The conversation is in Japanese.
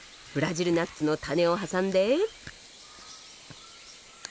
ブラジルナッツの種を挟んで。